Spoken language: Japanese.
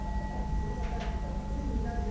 このかたちからプリンになるよ。